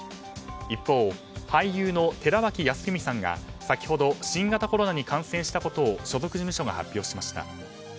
一方、俳優の寺脇康文さんが先ほど新型コロナに感染したことを所属事務所が発表しました。